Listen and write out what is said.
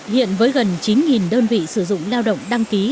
hiện với gần chín đơn vị sử dụng lao động đăng ký